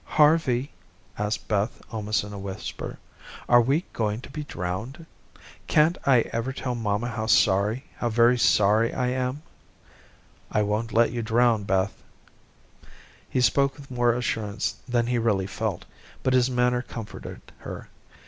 "Harvey," asked Beth almost in a whisper, "are we going to be drowned? Can't I ever tell mamma how sorry, how very sorry, I am?" "I won't let you drown, Beth." He spoke with more assurance than he really felt, but his manner comforted her.